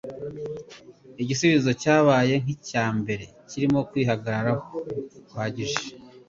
Igisubizo cyabaye nk'icya mbere kirimo kwihagararaho guhagije :